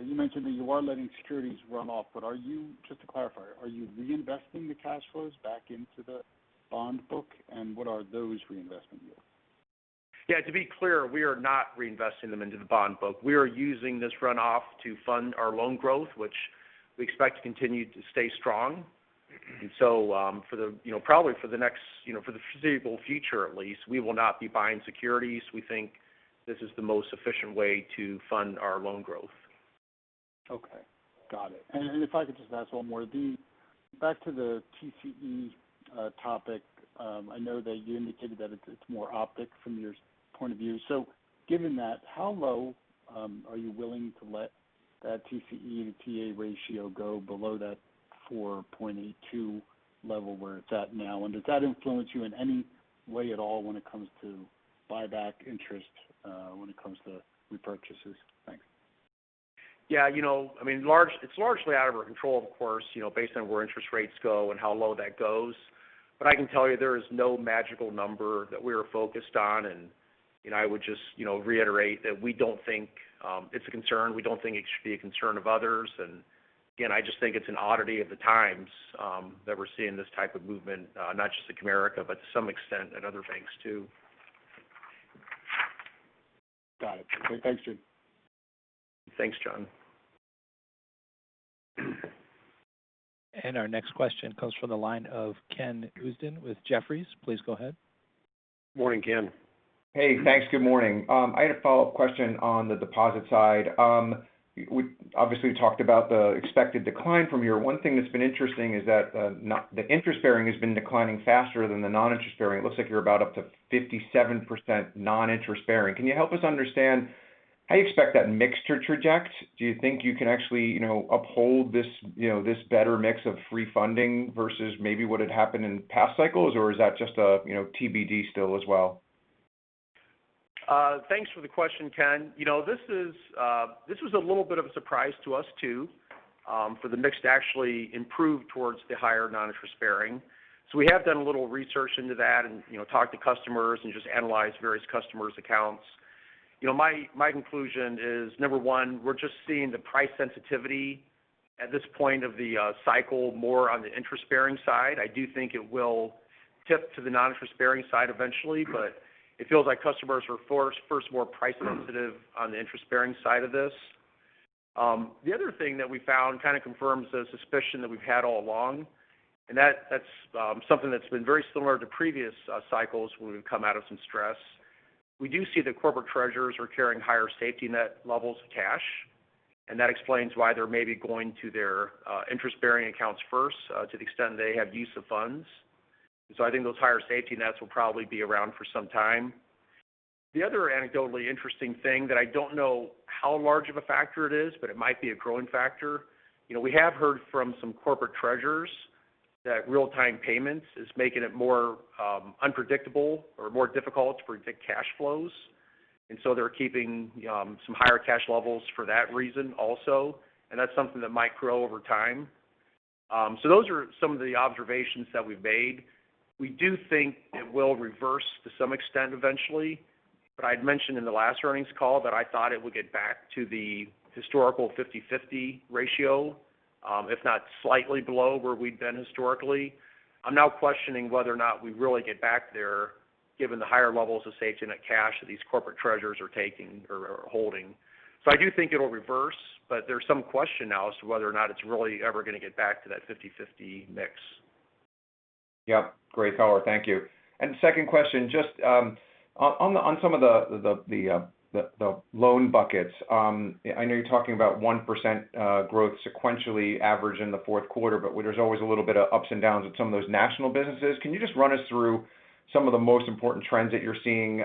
You mentioned that you are letting securities run off, but just to clarify, are you reinvesting the cash flows back into the bond book? What are those reinvestment yields? Yeah. To be clear, we are not reinvesting them into the bond book. We are using this runoff to fund our loan growth, which we expect to continue to stay strong. For the foreseeable future at least, we will not be buying securities. We think this is the most efficient way to fund our loan growth. Okay. Got it. If I could just ask one more. The back to the TCE topic. I know that you indicated that it's more uptick from your point of view. Given that, how low are you willing to let that TCE and TA ratio go below that 4.82% level where it's at now? And does that influence you in any way at all when it comes to buyback interest, when it comes to repurchases? Thanks. Yeah. You know, I mean, it's largely out of our control, of course, you know, based on where interest rates go and how low that goes. I can tell you there is no magical number that we are focused on. You know, I would just, you know, reiterate that we don't think it's a concern. We don't think it should be a concern of others. Again, I just think it's an oddity of the times that we're seeing this type of movement, not just at Comerica, but to some extent at other banks too. Got it. Okay. Thanks, Jim. Thanks, John. Our next question comes from the line of Ken Usdin with Jefferies. Please go ahead. Morning, Ken. Hey, thanks. Good morning. I had a follow-up question on the deposit side. We obviously talked about the expected decline from here. One thing that's been interesting is that the interest-bearing has been declining faster than the non-interest-bearing. It looks like you're about up to 57% non-interest-bearing. Can you help us understand how you expect that mixture to trajectory? Do you think you can actually, you know, uphold this, you know, this better mix of free funding versus maybe what had happened in past cycles? Or is that just a, you know, TBD still as well? Thanks for the question, Ken. You know, this is, this was a little bit of a surprise to us, too, for the mix to actually improve towards the higher non-interest bearing. We have done a little research into that and, you know, talked to customers and just analyzed various customers' accounts. You know, my conclusion is, number one, we're just seeing the price sensitivity at this point of the cycle more on the interest-bearing side. I do think it will tip to the non-interest bearing side eventually, but it feels like customers are first more price sensitive on the interest bearing side of this. The other thing that we found kind of confirms the suspicion that we've had all along, and that's something that's been very similar to previous cycles when we've come out of some stress. We do see that corporate treasurers are carrying higher safety net levels of cash, and that explains why they're maybe going to their interest-bearing accounts first, to the extent they have use of funds. I think those higher safety nets will probably be around for some time. The other anecdotally interesting thing that I don't know how large of a factor it is, but it might be a growing factor. You know, we have heard from some corporate treasurers that real-time payments is making it more unpredictable or more difficult to predict cash flows. They're keeping some higher cash levels for that reason also. And that's something that might grow over time. Those are some of the observations that we've made. We do think it will reverse to some extent eventually, but I'd mentioned in the last earnings call that I thought it would get back to the historical 50/50 ratio, if not slightly below where we've been historically. I'm now questioning whether or not we really get back there given the higher levels of safety net cash that these corporate treasurers are taking or holding. I do think it'll reverse, but there's some question now as to whether or not it's really ever going to get back to that 50/50 mix. Yep. Great color. Thank you. Second question, just on some of the loan buckets. I know you're talking about 1% growth sequentially average in the fourth quarter, but where there's always a little bit of ups and downs with some of those national businesses. Can you just run us through some of the most important trends that you're seeing,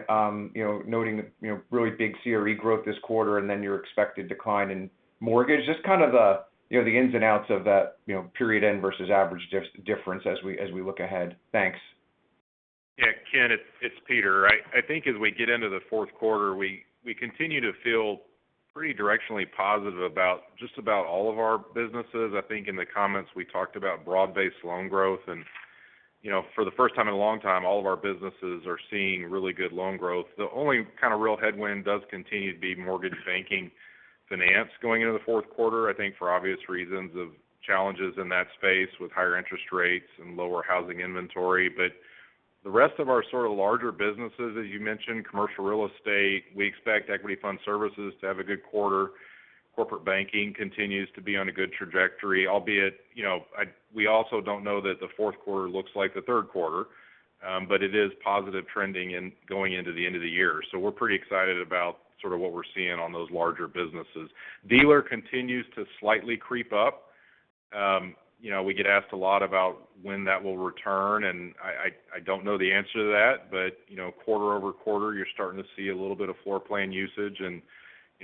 you know, noting that, you know, really big CRE growth this quarter and then your expected decline in mortgage? Just kind of the ins and outs of that, you know, period end versus average difference as we look ahead. Thanks. Yeah. Ken, it's Peter. I think as we get into the fourth quarter, we continue to feel pretty directionally positive about just about all of our businesses. I think in the comments we talked about broad-based loan growth. You know, for the first time in a long time, all of our businesses are seeing really good loan growth. The only kind of real headwind does continue to be mortgage banking finance going into the fourth quarter, I think for obvious reasons of challenges in that space with higher interest rates and lower housing inventory. The rest of our sort of larger businesses, as you mentioned, commercial real estate, we expect Equity Fund Services to have a good quarter. Corporate banking continues to be on a good trajectory, albeit we also don't know that the fourth quarter looks like the third quarter, but it is positive trending going into the end of the year. We're pretty excited about sort of what we're seeing on those larger businesses. Dealer continues to slightly creep up. We get asked a lot about when that will return, and I don't know the answer to that. You know, quarter-over-quarter, you're starting to see a little bit of floorplan usage. You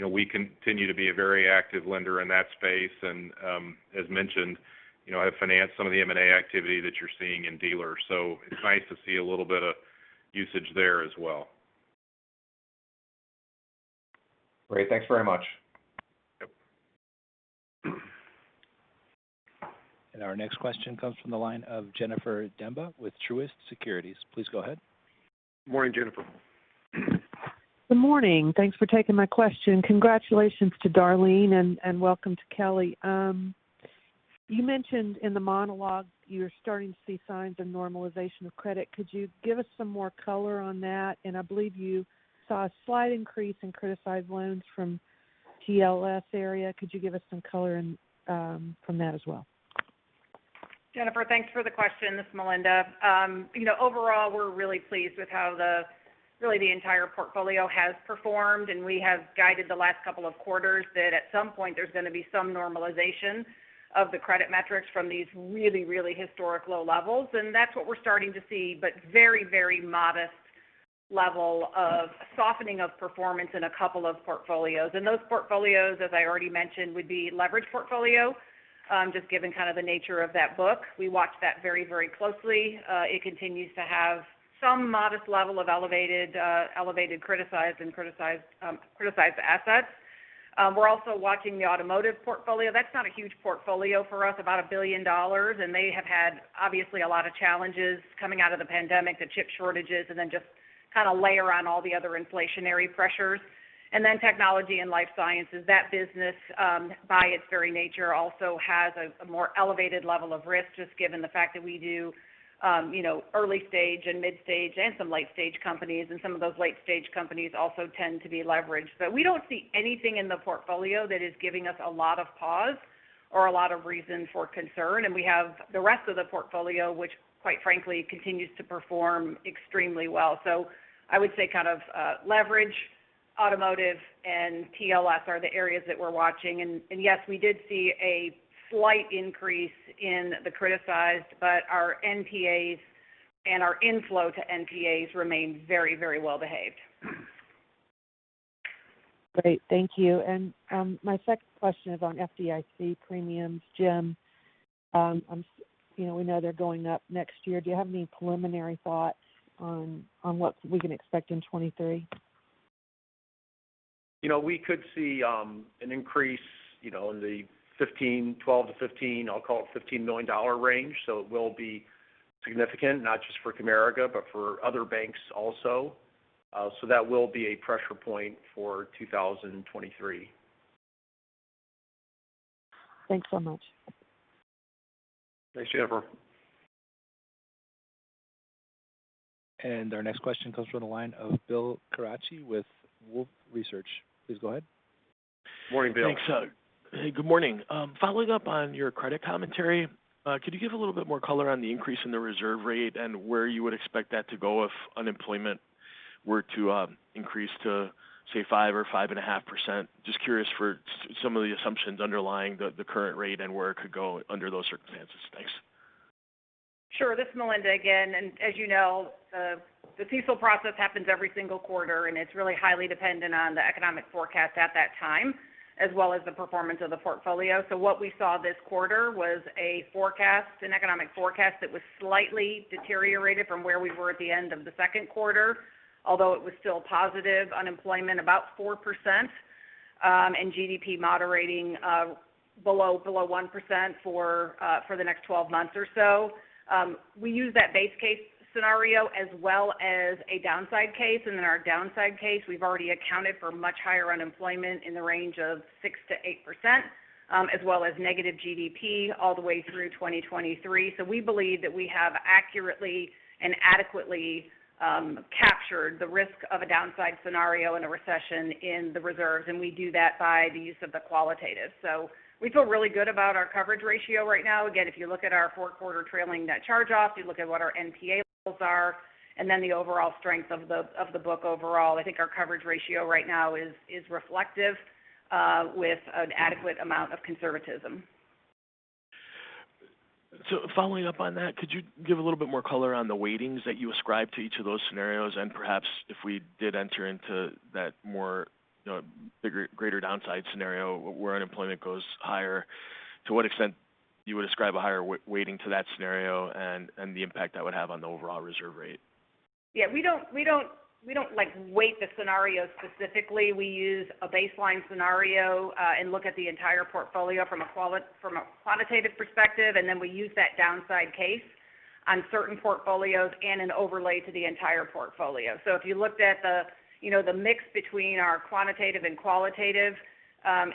know, we continue to be a very active lender in that space. As mentioned, you know, I have financed some of the M&A activity that you're seeing in dealers. It's nice to see a little bit of usage there as well. Great. Thanks very much. Yep. Our next question comes from the line of Jennifer Demba with Truist Securities. Please go ahead. Morning, Jennifer. Good morning. Thanks for taking my question. Congratulations to Darlene and welcome to Kelly. You mentioned in the monologue you're starting to see signs of normalization of credit. Could you give us some more color on that? I believe you saw a slight increase in criticized loans from TLS area. Could you give us some color on that as well? Jennifer, thanks for the question. This is Melinda. You know, overall, we're really pleased with how the really the entire portfolio has performed, and we have guided the last couple of quarters that at some point there's going to be some normalization of the credit metrics from these really, really historic low levels. That's what we're starting to see, but very, very modest level of softening of performance in a couple of portfolios. Those portfolios, as I already mentioned, would be leverage portfolio. Just given kind of the nature of that book. We watch that very, very closely. It continues to have some modest level of elevated criticized assets. We're also watching the automotive portfolio. That's not a huge portfolio for us, about $1 billion. They have had obviously a lot of challenges coming out of the pandemic, the chip shortages and then just kind of layer on all the other inflationary pressures. Technology and life sciences. That business, by its very nature also has a more elevated level of risk, just given the fact that we do, you know, early stage and mid stage and some late stage companies. Some of those late stage companies also tend to be leveraged. We don't see anything in the portfolio that is giving us a lot of pause or a lot of reason for concern. We have the rest of the portfolio which quite frankly continues to perform extremely well. I would say kind of, leverage, automotive and TLS are the areas that we're watching. Yes, we did see a slight increase in the criticized, but our NPAs and our inflow to NPAs remains very, very well behaved. Great. Thank you. My second question is on FDIC premiums. Jim, you know, we know they're going up next year. Do you have any preliminary thoughts on what we can expect in 2023? You know, we could see, you know, an increase in the $12 million-$15 million, I'll call it $15 million range. It will be significant, not just for Comerica, but for other banks also. That will be a pressure point for 2023. Thanks so much. Thanks, Jennifer. Our next question comes from the line of Bill Carcache with Wolfe Research. Please go ahead. Morning, Bill. Thanks. Hey, good morning. Following up on your credit commentary, could you give a little bit more color on the increase in the reserve rate and where you would expect that to go if unemployment were to increase to, say, 5% or 5.5%? Just curious for some of the assumptions underlying the current rate and where it could go under those circumstances. Thanks. Sure. This is Melinda again. As you know, the CECL process happens every single quarter, and it's really highly dependent on the economic forecast at that time, as well as the performance of the portfolio. What we saw this quarter was a forecast, an economic forecast that was slightly deteriorated from where we were at the end of the second quarter, although it was still positive unemployment, about 4%. GDP moderating below 1% for the next 12 months or so. We use that base case scenario as well as a downside case. In our downside case, we've already accounted for much higher unemployment in the range of 6%-8%, as well as negative GDP all the way through 2023. We believe that we have accurately and adequately captured the risk of a downside scenario in a recession in the reserves, and we do that by the use of the qualitative. We feel really good about our coverage ratio right now. Again, if you look at our fourth quarter trailing net charge-offs, you look at what our NPA levels are, and then the overall strength of the book overall, I think our coverage ratio right now is reflective with an adequate amount of conservatism. Following up on that, could you give a little bit more color on the weightings that you ascribe to each of those scenarios? Perhaps if we did enter into that more, you know, bigger, greater downside scenario where unemployment goes higher, to what extent you would ascribe a higher weighting to that scenario and the impact that would have on the overall reserve rate. Yeah. We don't weigh the scenario specifically. We use a baseline scenario and look at the entire portfolio from a quantitative perspective, and then we use that downside case on certain portfolios and an overlay to the entire portfolio. If you looked at the, you know, the mix between our quantitative and qualitative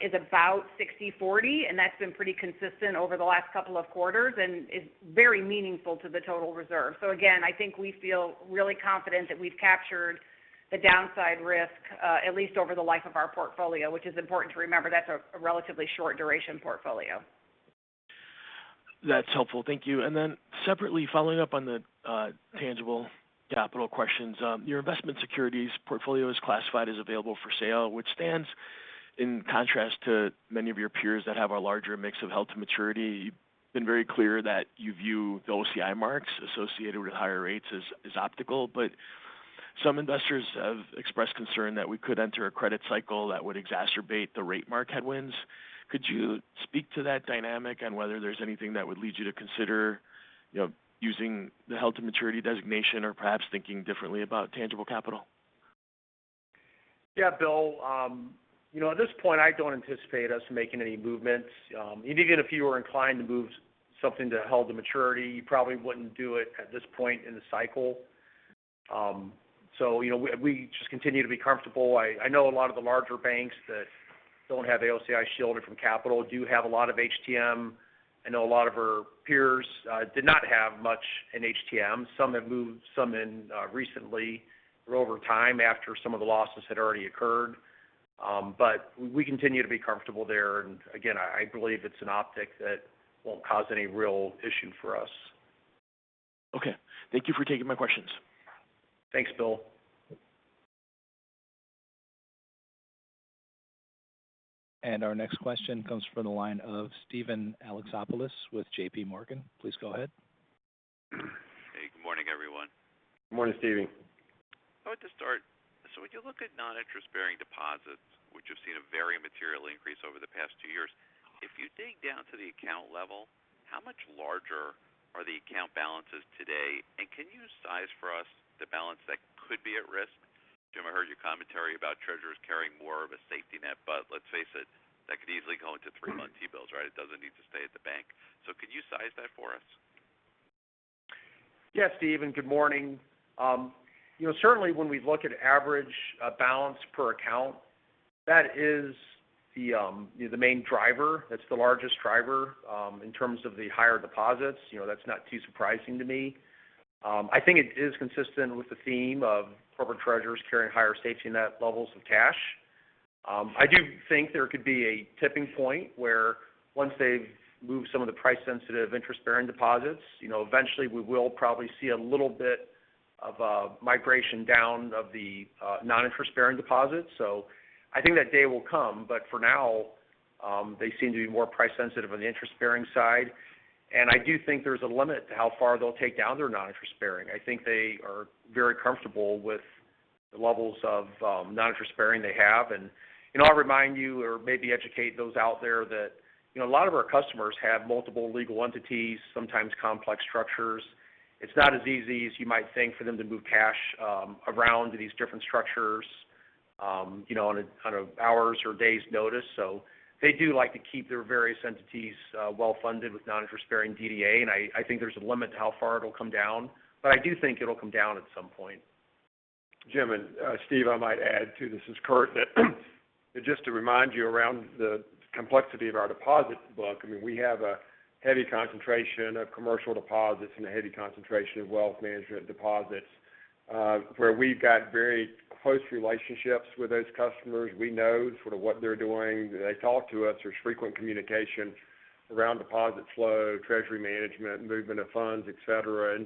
is about 60/40, and that's been pretty consistent over the last couple of quarters and is very meaningful to the total reserve. Again, I think we feel really confident that we've captured the downside risk at least over the life of our portfolio, which is important to remember that's a relatively short duration portfolio. That's helpful. Thank you. Then separately, following up on the tangible capital questions. Your investment securities portfolio is classified as available for sale, which stands in contrast to many of your peers that have a larger mix of held to maturity. You've been very clear that you view the OCI marks associated with higher rates as optical. Some investors have expressed concern that we could enter a credit cycle that would exacerbate the rate mark headwinds. Could you speak to that dynamic and whether there's anything that would lead you to consider, you know, using the held to maturity designation or perhaps thinking differently about tangible capital? Yeah. Bill, you know, at this point, I don't anticipate us making any movements. Even again, if you were inclined to move something to held to maturity, you probably wouldn't do it at this point in the cycle. You know, we just continue to be comfortable. I know a lot of the larger banks that don't have AOCI shielded from capital do have a lot of HTM. I know a lot of our peers did not have much in HTM. Some have moved some in recently or over time after some of the losses had already occurred. We continue to be comfortable there. Again, I believe it's an optic that won't cause any real issue for us. Okay. Thank you for taking my questions. Thanks, Bill. Our next question comes from the line of Steven Alexopoulos with JPMorgan. Please go ahead. Hey, good morning, everyone. Good morning, Steven. When you look at non-interest-bearing deposits, which have seen a very material increase over the past two years, if you dig down to the account level, how much larger are the account balances today? Can you size for us the balance that could be at risk? Jim, I heard your commentary about treasurers carrying more of a safety net, but let's face it, that could easily go into three-month T-bills, right? It doesn't need to stay at the bank. Could you size that for us? Yes, Steven, good morning. You know, certainly when we look at average balance per account, that is the main driver. That's the largest driver in terms of the higher deposits. You know, that's not too surprising to me. I think it is consistent with the theme of corporate treasurers carrying higher safety net levels of cash. I do think there could be a tipping point where once they've moved some of the price sensitive interest-bearing deposits, you know, eventually we will probably see a little bit of a migration down of the non-interest-bearing deposits. I think that day will come, but for now, they seem to be more price sensitive on the interest-bearing side. I do think there's a limit to how far they'll take down their non-interest-bearing. I think they are very comfortable with the levels of non-interest-bearing they have. You know, I'll remind you or maybe educate those out there that, you know, a lot of our customers have multiple legal entities, sometimes complex structures. It's not as easy as you might think for them to move cash around to these different structures, you know, on a kind of hours or days notice. They do like to keep their various entities well-funded with non-interest-bearing DDA. I think there's a limit to how far it'll come down. I do think it'll come down at some point. Jim and Steve, I might add too, this is Curt, that just to remind you around the complexity of our deposit book. I mean, we have a heavy concentration of commercial deposits and a heavy concentration of wealth management deposits, where we've got very close relationships with those customers. We know sort of what they're doing. They talk to us. There's frequent communication around deposit flow, treasury management, movement of funds, et cetera.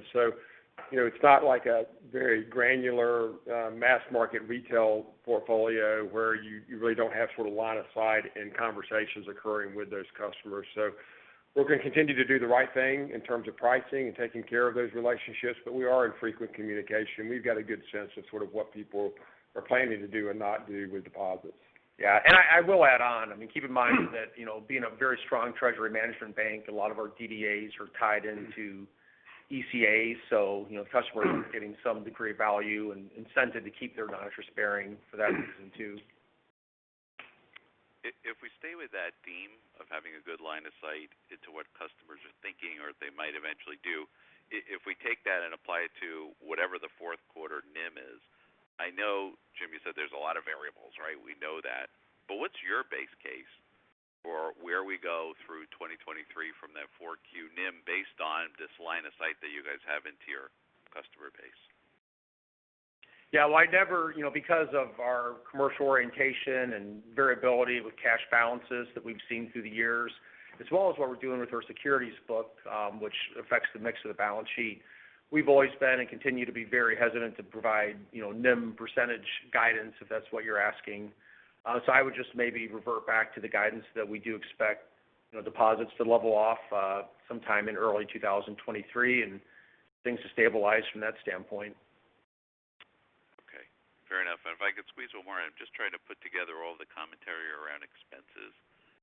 You know, it's not like a very granular, mass market retail portfolio where you really don't have sort of line of sight and conversations occurring with those customers. We're gonna continue to do the right thing in terms of pricing and taking care of those relationships, but we are in frequent communication. We've got a good sense of sort of what people are planning to do and not do with deposits. Yeah. I will add on. I mean, keep in mind that, you know, being a very strong treasury management bank, a lot of our DDAs are tied into ECA. You know, customers are getting some degree of value and incentive to keep their non-interest bearing for that reason too. If we stay with that theme of having a good line of sight into what customers are thinking or they might eventually do, if we take that and apply it to whatever the fourth quarter NIM is, I know, Jim, you said there's a lot of variables, right? We know that. But what's your base case for where we go through 2023 from that 4Q NIM based on this line of sight that you guys have into your customer base? Yeah. Well, I never, you know, because of our commercial orientation and variability with cash balances that we've seen through the years, as well as what we're doing with our securities book, which affects the mix of the balance sheet. We've always been and continue to be very hesitant to provide, you know, NIM percentage guidance, if that's what you're asking. I would just maybe revert back to the guidance that we do expect, you know, deposits to level off, sometime in early 2023 and things to stabilize from that standpoint. Okay, fair enough. If I could squeeze one more in. I'm just trying to put together all the commentary around expenses.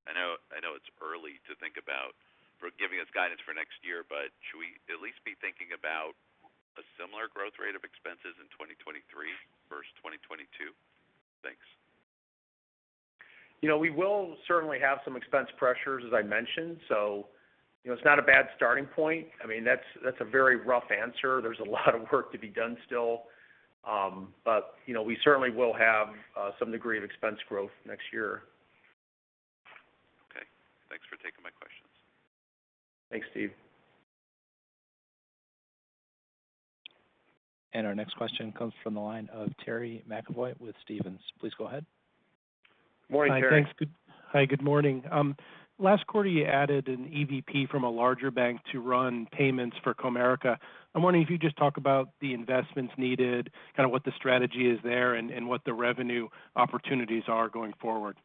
I know, I know it's early to think about for giving us guidance for next year, but should we at least be thinking about a similar growth rate of expenses in 2023 versus 2022? Thanks. You know, we will certainly have some expense pressures, as I mentioned. You know, it's not a bad starting point. I mean, that's a very rough answer. There's a lot of work to be done still. You know, we certainly will have some degree of expense growth next year. Okay. Thanks for taking my questions. Thanks, Steve. Our next question comes from the line of Terry McEvoy with Stephens. Please go ahead. Morning, Terry. Hi. Thanks. Good morning. Last quarter, you added an EVP from a larger bank to run payments for Comerica. I'm wondering if you just talk about the investments needed, kind of what the strategy is there, and what the revenue opportunities are going forward.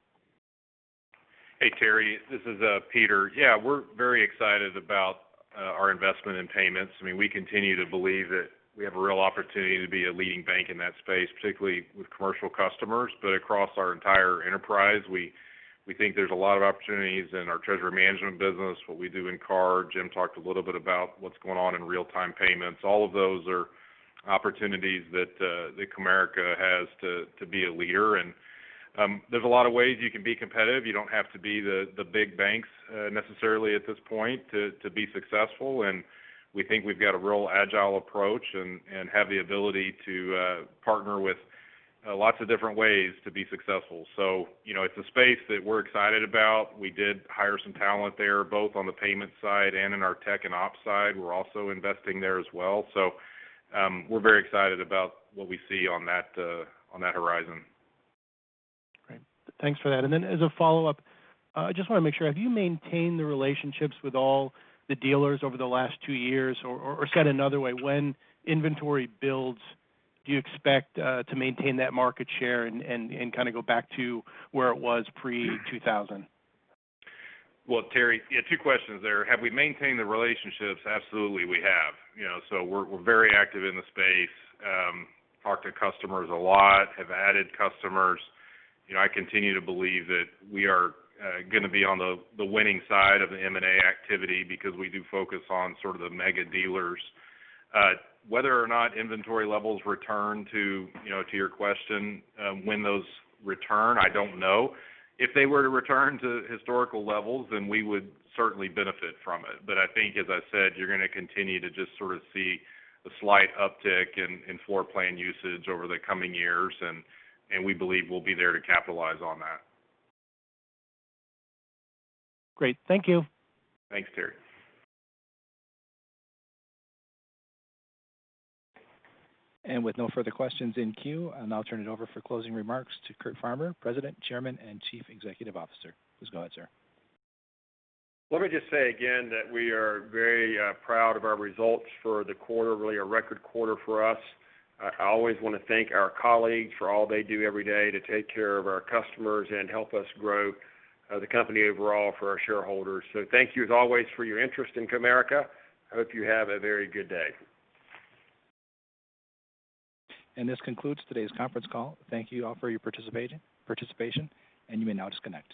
Hey, Terry. This is Peter. Yeah, we're very excited about our investment in payments. I mean, we continue to believe that we have a real opportunity to be a leading bank in that space, particularly with commercial customers. But across our entire enterprise, we think there's a lot of opportunities in our treasury management business, what we do in card. Jim talked a little bit about what's going on in real-time payments. All of those are opportunities that Comerica has to be a leader. There's a lot of ways you can be competitive. You don't have to be the big banks necessarily at this point to be successful. We think we've got a real agile approach and have the ability to partner with lots of different ways to be successful. You know, it's a space that we're excited about. We did hire some talent there, both on the payment side and in our tech and ops side. We're also investing there as well. We're very excited about what we see on that horizon. Great. Thanks for that. As a follow-up, I just want to make sure, have you maintained the relationships with all the dealers over the last two years? Or, said another way, when inventory builds, do you expect to maintain that market share and kind of go back to where it was pre-2000? Well, Terry, yeah, two questions there. Have we maintained the relationships? Absolutely, we have. You know, we're very active in the space. Talk to customers a lot. Have added customers. You know, I continue to believe that we are gonna be on the winning side of the M&A activity because we do focus on sort of the mega dealers. Whether or not inventory levels return to, you know, to your question, when those return, I don't know. If they were to return to historical levels, then we would certainly benefit from it. I think, as I said, you're gonna continue to just sort of see a slight uptick in floorplan usage over the coming years, and we believe we'll be there to capitalize on that. Great. Thank you. Thanks, Terry. With no further questions in queue, I'll now turn it over for closing remarks to Curt Farmer, President, Chairman, and Chief Executive Officer. Please go ahead, sir. Let me just say again that we are very proud of our results for the quarter. Really a record quarter for us. I always want to thank our colleagues for all they do every day to take care of our customers and help us grow the company overall for our shareholders. Thank you as always for your interest in Comerica. I hope you have a very good day. This concludes today's conference call. Thank you all for your participation, and you may now disconnect.